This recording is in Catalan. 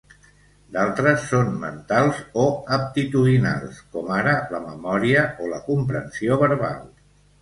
D'altres són mentals o aptitudinals, com ara la memòria o la comprensió verbal.